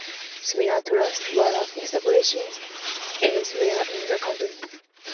Similar trusts were established elsewhere in the country.